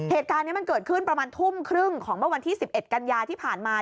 เหตุการณ์นี้มันเกิดขึ้นประมาณทุ่มครึ่งของเมื่อวันที่๑๑กันยาที่ผ่านมา